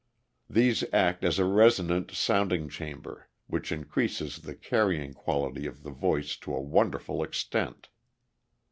These act as a resonant sounding chamber which increases the carrying quality of the voice to a wonderful extent.